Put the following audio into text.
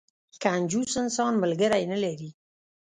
کنجوس انسان، ملګری نه لري.